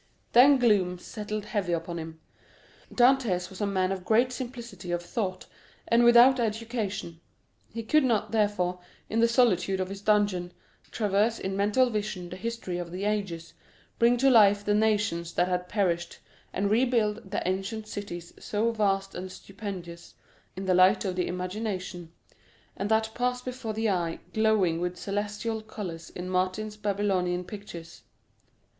Then gloom settled heavily upon him. Dantès was a man of great simplicity of thought, and without education; he could not, therefore, in the solitude of his dungeon, traverse in mental vision the history of the ages, bring to life the nations that had perished, and rebuild the ancient cities so vast and stupendous in the light of the imagination, and that pass before the eye glowing with celestial colors in Martin's Babylonian pictures.